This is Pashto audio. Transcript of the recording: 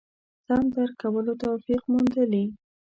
سم درک کولو توفیق موندلي.